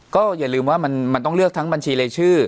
ก็อย่าลืมว่ามันต้องเลือกทั้งบัญชีรายชื่อ